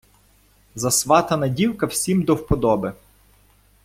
Засватана дівка всім до вподоби.